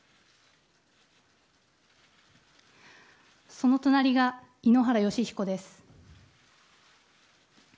その隣が井ノ原快彦です。